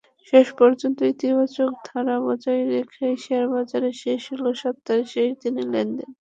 শেষ পর্যন্ত ইতিবাচক ধারা বজায় রেখেই শেয়ারবাজারে শেষ হলো সপ্তাহের শেষ দিনের লেনদেন।